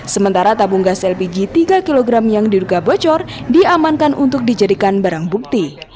sementara tabung gas lpg tiga kg yang diduga bocor diamankan untuk dijadikan barang bukti